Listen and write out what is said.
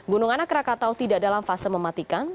gunung anak rakatau tidak dalam fase mematikan